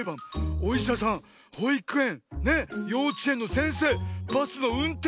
おいしゃさんほいくえんようちえんのせんせいバスのうんてん